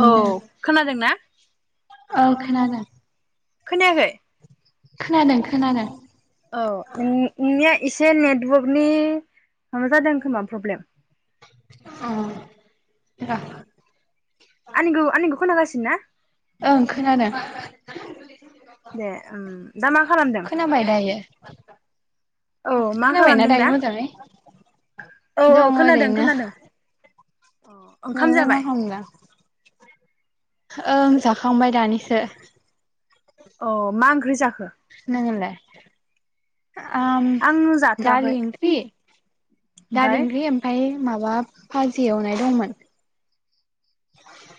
औ खोनादोंना खोनायाखै खोनादों खोनादों औ नोंनिया एसे नेटवर्कनि माबा जादों खोमा प्रब्लेम [unintelligible] आंनिगौ आंनिखौ खोनागासिनो ना ओं खोनादों दे उम दामा खोनाबाय दायो औ मा खोनाबायना खालामदों दा? दायो मोजाङै औ औ दङ खोनादों ओरैनो खोनादों। अ ओंखाम नोंलाय मा जाबाय? खालामदों ओं जाखांबाय दानिसो अ मा ओंख्रि जाखो [unintelligible] ओम आं जाथ'वाखै दालि इंख्रि दालि ओमफाय इंख्रि आमफाय माबा फाजि एवनाय दंमोन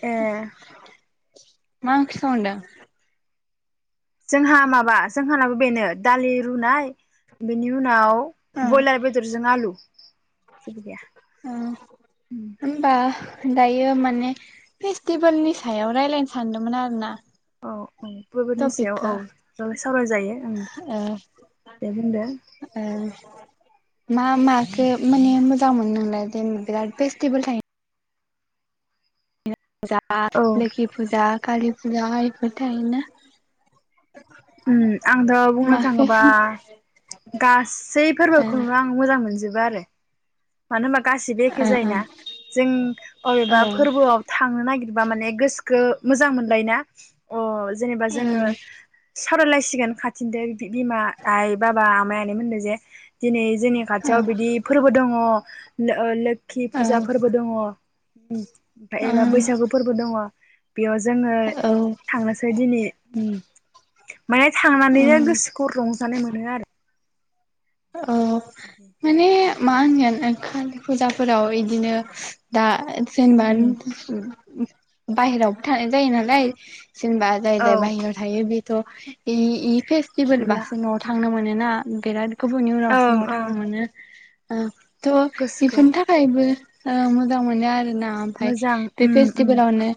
ए। मा‌ ओंख्रि संदों? जोंहा माबा जोंहानाबो बेनो दालि रुनाय बेनि उनाव। ब्रयलार बेदरजों आलु। जेबो गैया। उम होनबा। दायो माने फेस्टिभेलनि सायाव रायलायनो सानदोंमोन आरो ना। औ औ फोरबोनि सायाव टपिकखौ औ जा सावरायजायो ओं ओ दे बुंदो। ओ मा माखो माने मोजां मोनो नोंलाय जेनबा बिराद फेस्टिभेल थायो। फुजा औ लोखि फुजा [unintelligible] उम आंथ' बुंनो माखो थाङोबा गासै ओ फोरबोखौनो आं मोजां मोनजोबो बारो मानो होबा गासिबो एखे जायोना जों अबेबा फोरबोआव थांनो नागिर। बा माने गोसोखो मोजां मोनलायना अ। जेनेबा जोंओ। सावरायलायसिगोन खाथिदो। बिमा आइ बाबा आमाय। जे दिनै। जोंनि खाथियाव ओ बिदि फोरबो दङ। ओ लोगो। ल खि ओ औ ओं औ फुजा फोरबो दङ ओमफ्राय एबा बैसागु फोरबो दङ [unintelligible] बेयाव जोङो ओं औ थांनोसै दिनै। माने थांनानैनो उम गोसोखौ रंजानाय मोनो आरो। अ बिदि माने मा होनो। कालि फुजाफोराव बिदिनो दा। सेनबान् उम [unintelligible] बाहेरावबो थानाय जायो नालाय। जेनबा जाय औ जाय बाहेरायाव थायो बि। त' [unintelligible] नुला फेस्टिभेलबासो नआव थांनो मोनो। ाना बिराद [unintelligible] गुबुननि उनावसो ओं न'आव ओं थांनो मोनो। ओं। थ' गोसोखौ बेफोरनि थाखायबो। मोजां मोनो आरो। ना ओमफ्राय मोजां बे उम उम फेस्टिभेलावनो।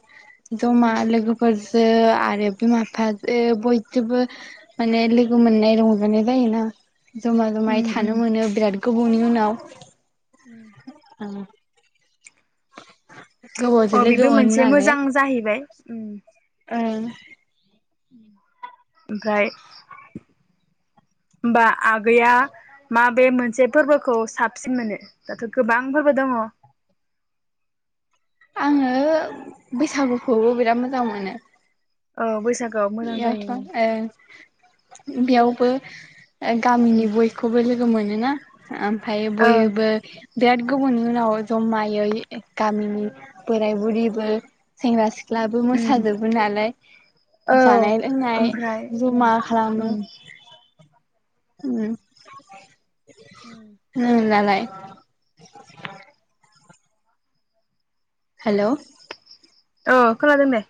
जमा लोगोफोरजों आरो बिमा बिफाजों बयजोंबो माने लोगो मोननाय रंजानाय जायोना। जमा जमायै उम उम थानो मोनो बिराद। गोबावनि उनाव। उम। उम। अ बेबो मोनो मोनसे नालाय मोजां जाहैबाय। ओं। उ [unintelligible] ओमफ्राय। होमबा आगैया मा बे मोनसे फोरबोखौ साबसिन मोनो दाथ' गोबां फोरबो दङ आङो बैसागुखौबो बिराद मोजां मोनो औ बैसागोआव मोजां बेयावथ' जायो ओं बेयावबो उम गामिनि बयखौबो ल गोमोनो ना ओमफ्राय ओं बयबो बिराद गुबुननि उनाव जमायै गामिनि बोराय बुरिबो सेंग्रा सिख्ला लाबो उम मोसाजोबो नालाय औ जानाय लोंनाय ओमफ्राय उम जमा खालामो उम उ लाय [inaudible] [inaudible] हेल' औ खोनादों दे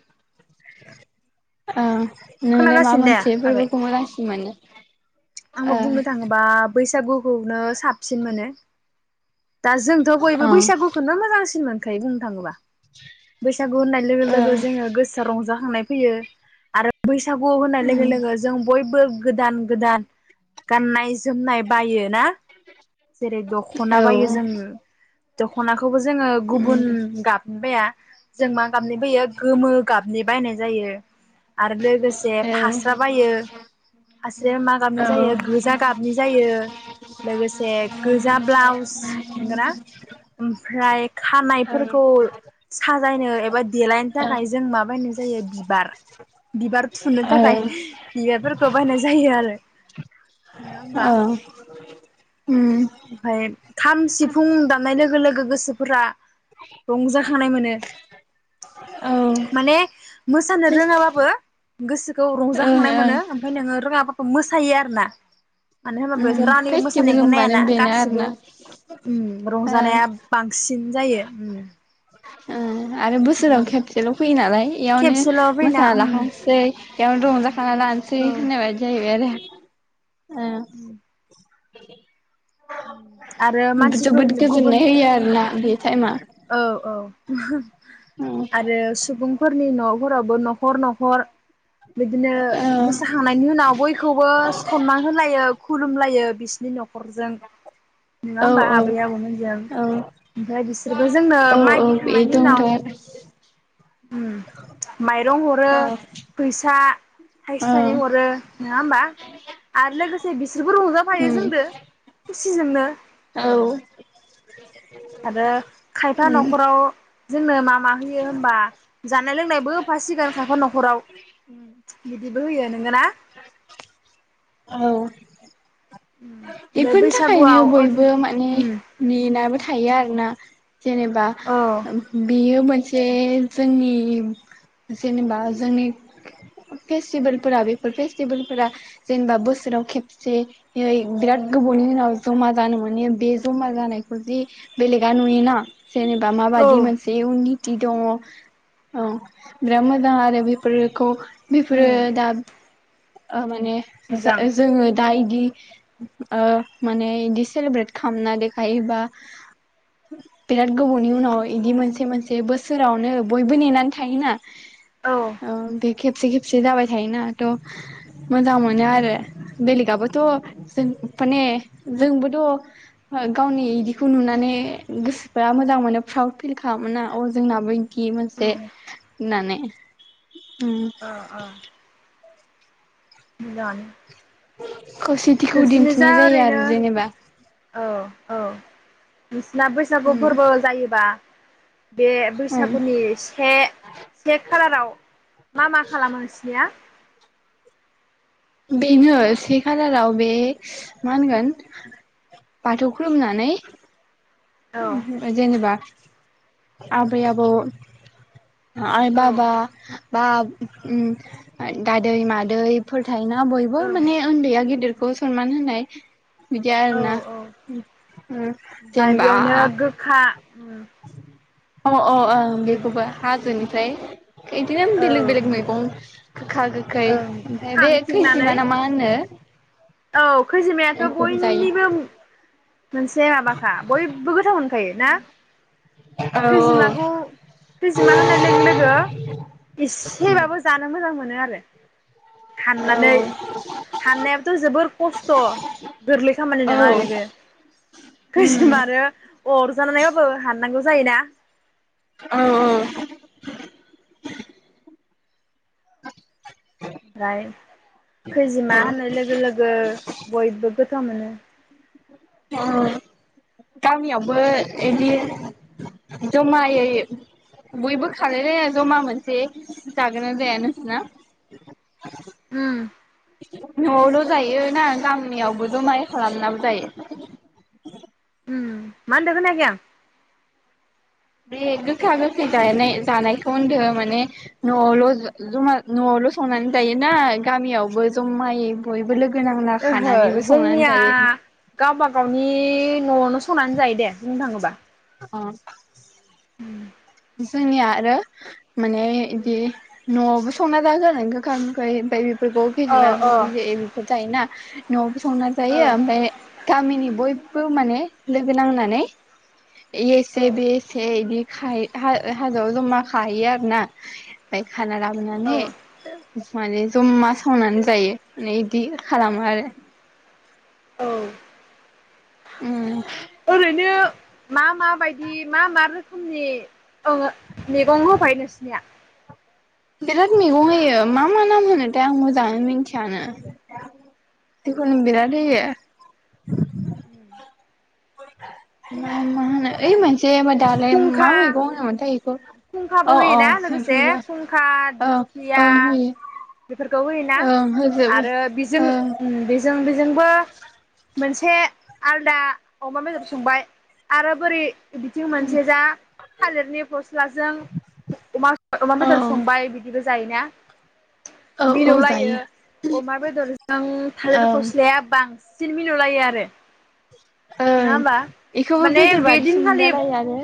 अ नोंलाय मा खोनागासिनो मोनसे फोरबोखौ मोजांसिन मोनो आङो बुंनो थाङोबा बैसागुखौनो साबसिन मोनो दा जोंथ' ख बुंनो थाङोबा बैसागु होननाय लोगो- लोगो जोङो गोसोआ रंजा खांनाय फैयो। बैसागु होनाय लोगो -लोगो जों बयबो गोदान- गोदान गाननाय जोमनाय बायो ना। ओ अ बायो औ जोङो। दख'नाखौ खौबो जोङो गुबुन गाबनि बाया, जों मा गाबनि बायो गोमो गाबनि बानायनाय जायो। आरो लोगोसे औ फास्रा बायो फास्राया मा गाबनाय जायो गोजा गाबनाय जायो लोगोसे गोजा ब्लाउस नंगोना। ओमफ्राय खानायफोरखौ साजायनो एबा देलायनो थाखाय जों मा बायनाय जायो बिबार, बिबार थुनो थाखाय बिबार फोरखौ बानायनाय जायोआरो। नोङा होमबा? औ ओमफ्राय खाम सिफुं दामनाय लोगो-लोगो गोसोफोरा रंजाखांनाय मोनो। औ माने मोसानो औ रोङाबाबो गोसोखौ ओं रंजाखांनाय मोनो। ओं ओमफ्राय नोङो रोङाबा मोसायो आरो ना। मानो होनबा बेथ' उम रावनि फेस्टिभेल मोसानायखौ होनबानो नायाना बेनो गासिबो आरोना ओं रंजानाया बांसिन जायो उम। ओं। आरो बोसोराव खेबसेल फैयो नालाय इयावनो खेबसेल' फैना उम मोसानालाखानोसै। बेयावनो रंजाखाना लानोसै। औ उम होननाय बायदि जायो आरो। उम। आरो [inaudible] बे जोबोद मानसिफोरनो गोजोननाय गुबुन होयो आरोना बे टाइमा औ- औ। [unintelligible] आरो सुबुं फोरनि नफोरावबो नखर-नखर बिदिनो औ मोसाखांनायनि उनाव बयखौबो सनमान होलायो। खुलुमलायो बिसिनि नखरजों। नङा औ होमबा औ आबै आबौमोन जों। औ ओमफ्राय बिसि बिसोरबो जोंनो औ औ मागि खांनायनि बेनोथ' उनाव माइरं हरो औ फैसा औ थाइसे थाइनै हरो। नङा होमबा आरो लोगोसे बिसोरबो रंजा उम खुसिजोंनो औ उम [inaudible] आरो खायफा उम नखराव जोंनो मा मा होयो होमबा जानाय लोंनायबो होफासिगोन खायफा नखराव बिदिबो होयो नोंगो ना? उम बिनि थाखायनो बयबो माने नेेनाबो थायो आरोना जेनेबा बेयो मोन- से जोंनि जेनेबा जोंनि फेस्टिभेल फोरा बेफोर फेस्टिभेल फोरा जेनेबा बोसोराव खेबसे बिराद गोबावनि औ जमा जानो मोनो बे जमा जानायखौ जि बेलेगा नुयोना जेनेबा औ माबायदि मोनसे उननि बिदि दङ औ बिराद मोजां आरो बेफोरखौ बेफोरो दा ओ माने जा मोजां जोङो दा इदि ओ माने इदि सेलेब्रेट खालामना देखायोबा बिराद गोबावनि उनाव इदि मोनसे-मोनसे बोसोरावनो बयबो नेनानै थायोना औ बे खेबसे-खेबसे जाबाय थायोना थ' मोजां मोनो आरो बेलेगआबोथ' जों फाने जोंबोथ' गावनि इदिखौ नुनानै गोसोफ्रा मोजां मोनो, प्राउद फिल खालामोना अ जोंनाबो बिदि मोनसे होननानै उम ओं ओं मोजाङानो खौसेथिखौ नोंसोरनि जा दिन्थिनाय जायो ओरैनो आरो जेनेबा औ औ नोंसिना बैसागु उम फोरबो जायोबा बे उम बैसागुनि से, से खालाराव मा-मा खालामो नोंसिनिया? बेनो से खालाराव बे मा होनगोन बाथौ खलुमनानै औ [inaudible] जेनेबा आबै-आबौ बा औ ओं आइ-बाबा बा उम आ दादै-मादैफोर थायोना बयबो माने उन्दैया गिदिरखौ बखौ सनमान होनाय बिदि औ आरोना उम उम जेनबा नो गोखा ओम अ अ ओं बेखौबो हाजोनि फ्राय इदिनो औ बेलेग-बेलेग मैगं गोखा गो खै ओं ओमफ्राय बे खांथिंनानै खैजिमाना मा होनो औ खैजिमायाथ' एम्फौबो जायो बयनिबो मोनसे माबाखा बयबो गोथाव मोनखायो ना औ खैजिमाखौ खैजिमा होननाय लोगो-लोगो इसेबाबो जानो मोजां मो नो आरो। औ हाननानै हाननायाबोथ' जोबोर खस्थ' गोरलै खामानि औ नङा बेबो उम खैजेमा आरो अरजानानैबाबो हान ननांगौ जायोना औ औ ओमफ्राय खैजिमा होननाय लोगो लोगो बयबो गो थाव मोनो अ गामियावबो इदि जमायै बयबो खालायलायना जमा मोनसे जागोन ना जाया नोंसोना अम न'आवल' जायो ना गामियावबो जमायै खालामनाबो जायो। उम मा होनदो खोनायाखै आं बे गोखा गोखै जानाय-जानायखौ होनदो माने न'आवल' जमा न'आवल' संनानै जायोना गामियावबो जमायै बयबो लो ओहो जोंनिया गावबा गावनि न'आवनो संनानै जायो दे बुंनो थाङोबा अ अम जोंनिया आरो माने इदि न'आवबो संना जागोन गोखा गोखै ओमफाय दंफाङाव अ खैजिमा अ बि-बिदै एमफौ थायोना [unintelligible] संना औ जायो ओमफ्राय गामिनि बयबो माने लोगो नांनानै इयो एसे औ बियो एसे इदि खायो हा-हाजोआव जमा खाहैयो आरो ना ओमफाय खाना औ लाबोनानै माने जमा सावनानै जायो माने बिदि खालामो आरो औ उम ओरैनो मा-माबायदि मा मा रोखो- खोमनि ओ मैगं होफायो नोंसिनिया बिराद मैगं होयो मा मा नाम होनो थाय आं मोजाङै मिन्थियानो। जिखुनु बिराद होयो। उम मा मा होनो ओइ मोन- खुंखा बेखौ अ अ खुंखाबो होयोना लोगोसे ओमफ्रायबो खुंखा, ओं दिंखिया ओं होयो बेफोरखौ होयोना ओं होजोबो आरो बेजों उम बेजों बेजोंबो मोनसे आलदा अमा बेदर संबाय आरो बोरै बिदि जेजा थालिरनि फस्लाजों अमा अमा बेदर ओं संबाय बिदि जायोना औ औ मिलौलायो जायो अमा बेदरजों थालिर ओं फस्लाया बां सिन मिलौ लायो आरो नङा ओं होमबा बेखौबो माने बेदर बे बाददिसो दिनखालि मोनजालालाङो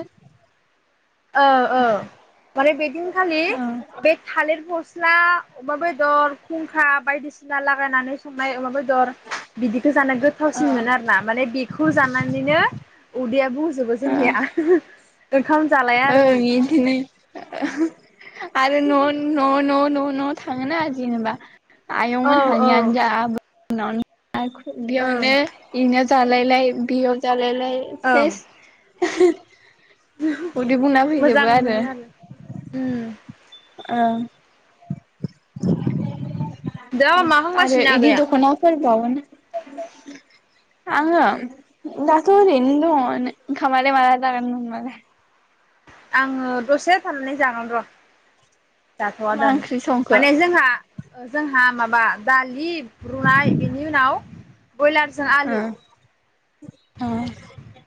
औ औ माने बेदिनखालि ओं बे थालिर फस ला अमा बेदर था बायदिसिना लागायनानै सं लाय अमा बेदर बिदिखौ जाना गोथावसिन ओं मोनो आरोना माने बेखौ जानानैनो उदैया जोबो जोंनिया बेखां ओं बिदिनो आरो न' न' न' न' न'आव थाङोना जेनेबा औ आयंमोन हानि आनोजा न'नि आरो [unintelligible] ओं बुलायलायो बियो जालायलाय बे ओं सेस [unintelligible] उदै बुंना मोजां फैजोबो आरो। मोनो उम ओं। दा मा आरो खालामगासिनो इदि आगैया दख'फोर बावाना आङो? दाथ' ओरैनो दंङ। ओंखामालाय माला जागोन नोंङालाय? आङो दसे थानानै जागोन र'। जाथ' आ मा दानो ओंख्रि संखो माने जोंहा जोंहा मा बा दालि रुनाय बेनि उनाव ब्रयलारजों आलु। ओ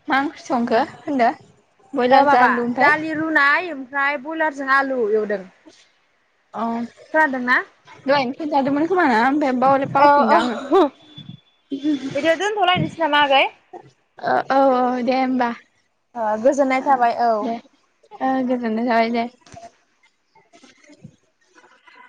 ओ मा ओंख्रि संखो होनदो ओ बयलारजों माबा आलु ओमफ्राय दालि रुनाय ओमफ्राय ब्रयलार जा आलु। [unintelligible] खोनादोंना? [unintelligible] जादोंमोन खोमा [unintelligible] बावलै औ बावफिनदो औ आङो औ बिदियाव दोनथ'लायनोसै नामा आगै? औ दे होमबा। ओ गोजोननाय ओ थाबाय औ। दे ओ गोजोननाय थाबाय दे। [unintelligible]